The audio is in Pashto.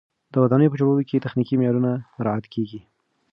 د ودانیو په جوړولو کې تخنیکي معیارونه نه مراعت کېږي.